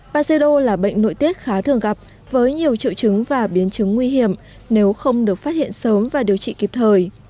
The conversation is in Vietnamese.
bajedo là bệnh nội tiết khá thường gặp với nhiều triệu chứng và biến chứng nguy hiểm nếu không được phát hiện sớm và điều trị kịp thời